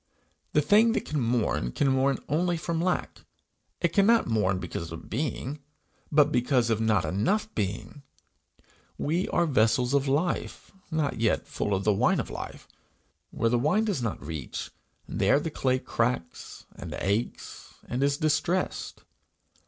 The thing that can mourn can mourn only from lack; it cannot mourn because of being, but because of not enough being. We are vessels of life, not yet full of the wine of life; where the wine does not reach, there the clay cracks, and aches, and is distressed.